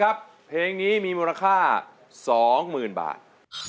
เพลงนี้มีมูลค่า๒๐๐๐บาท